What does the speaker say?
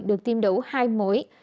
được tiêm đủ hai mũi